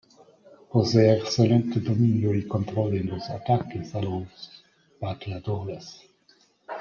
Posee excelente dominio y control en los ataques a los bateadores.